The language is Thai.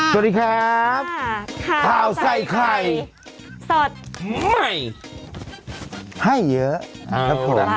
สวัสดีครับข่าวใส่ไข่สดใหม่ให้เยอะครับผมเอาล่ะครับ